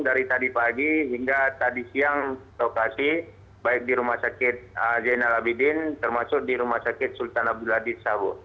dari tadi pagi hingga tadi siang lokasi baik di rumah sakit zainal abidin termasuk di rumah sakit sultan abdul adhis sabu